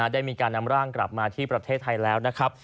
ได้มีการนำร่างกลับมาที่ประเทศไทยแล้วนะครับ